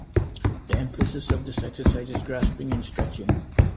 The emphasis of this exercise is grasping and stretching.